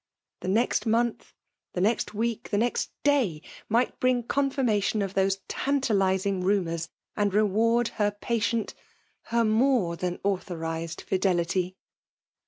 The next month, the next week, the next day, might brmg confirmation of these tantalizing rumours, and reward her 20 FKMALE DOMINATION. patient — ber more than authorized fiflefity